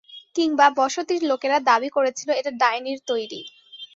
কিংবা বসতির লোকেরা দাবি করেছিল এটা ডাইনির তৈরি।